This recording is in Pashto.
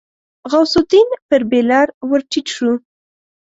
غوث الدين پر بېلر ور ټيټ شو.